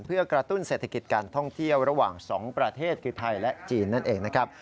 เพื่อกระตุ้นเศรษฐกิจการท่องเที่ยวระหว่าง๒ประเทศคือไทยและจีนนั่นเองนะครับ